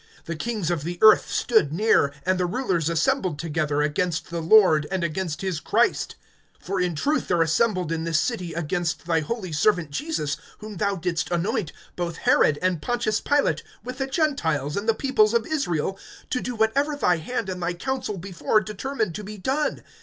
(26)The kings of the earth stood near, And the rulers assembled together, Against the Lord, and against his Christ. (27)For in truth there assembled in this city, against thy holy servant Jesus, whom thou didst anoint, both Herod, and Pontius Pilate, with the Gentiles, and the peoples of Israel, (28)to do whatever thy hand and thy counsel before determined to be done.